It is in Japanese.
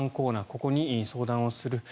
ここに相談をする。